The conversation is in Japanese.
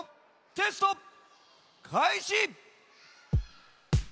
テストかいし！